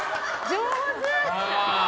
上手！